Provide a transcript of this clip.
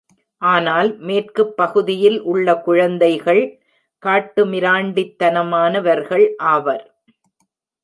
ஆனால் மேற்குப் பகுதியில் உள்ள குழந்தைகள் காட்டுமிராண்டித்தனமானவர்கள் ஆவர்.